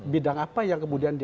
bidang apa yang diperlukan